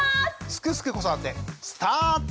「すくすく子育て」スタート。